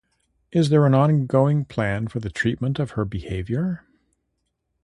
Is there an ongoing plan for the treatment of her behaviour?